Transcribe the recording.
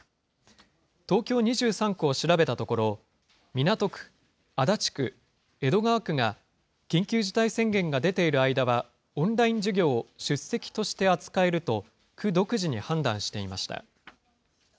東京２３区を調べたところ、港区、足立区、江戸川区が、緊急事態宣言が出ている間は、オンライン授業を出席として扱えると、区独自に判断していました。